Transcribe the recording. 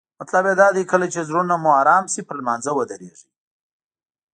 مطلب یې دا دی کله چې زړونه مو آرام شي پر لمانځه ودریږئ.